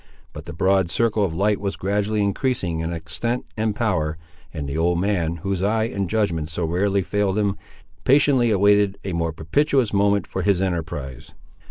But the broad circle of light was gradually increasing in extent and power, and the old man, whose eye and judgment so rarely failed him, patiently awaited a more propitious moment for his enterprise.